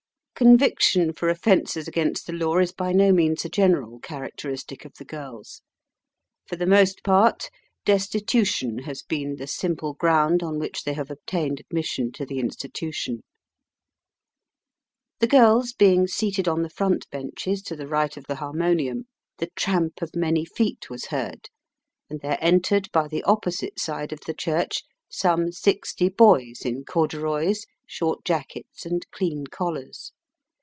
Conviction for offences against the law is by no means a general characteristic of the girls. For the most part, destitution has been the simple ground on which they have obtained admission to the institution. The girls being seated on the front benches to the right of the harmonium, the tramp of many feet was heard, and there entered by the opposite side of the church some sixty boys in corduroys, short jackets, and clean collars.